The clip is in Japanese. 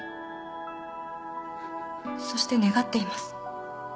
そして願っています。